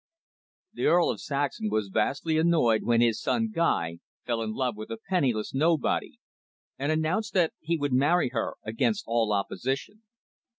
The Earl of Saxham was vastly annoyed when his son, Guy, fell in love with a "penniless nobody," and announced that he would marry her against all opposition.